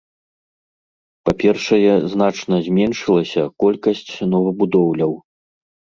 Па-першае, значна зменшылася колькасць новабудоўляў.